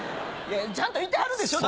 ちゃんといてはるでしょ？